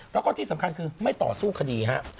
แล้วก็ที่สำคัญคือไม่ต่อสู้คดีครับ